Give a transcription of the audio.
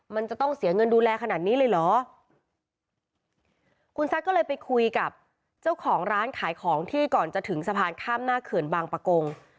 มันจะต้องเสียเงินดูแลขนาดนี้เลยเหรอคุณแซคก็เลยไปคุยกับเจ้าของร้านขายของที่ก่อนจะถึงสะพานข้ามหน้าเขื่อนบางประกง